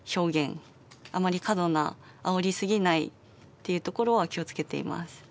というところは気を付けています。